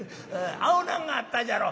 青菜があったじゃろ。